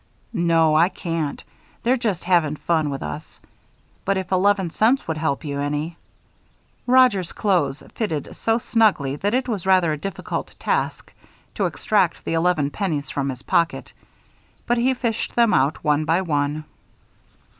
"No, I can't they're just havin' fun with us. But, if eleven cents would help you any " Roger's clothes fitted so snugly that it was rather a difficult task to extract the eleven pennies from his pocket; but he fished them out, one by one.